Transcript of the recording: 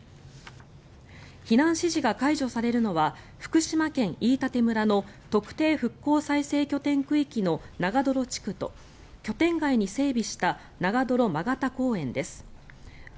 避難指示が解除されるのは福島県飯舘村の特定復興再生拠点区域の長泥地区と拠点外に整備した長泥曲田公園です。